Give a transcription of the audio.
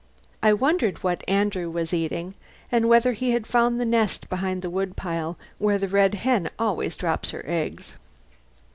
I wondered what Andrew was eating and whether he had found the nest behind the wood pile where the red hen always drops her eggs.